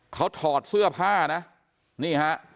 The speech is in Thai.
เขาถอดเสื้อผ้านะนี่ฮะ